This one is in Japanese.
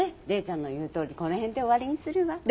麗ちゃんの言うとおりこの辺で終わりにするわ。